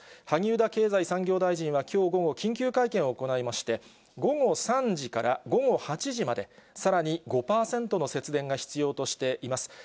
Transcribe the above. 萩生田経済産業大臣はきょう午後、緊急会見を行いまして、午後３時から午後８時まで、さらに５％の節電が必要としています。